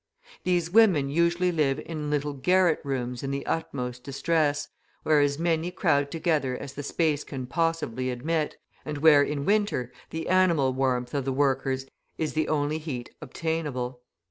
These women usually live in little garret rooms in the utmost distress, where as many crowd together as the space can possibly admit, and where, in winter, the animal warmth of the workers is the only heat obtainable.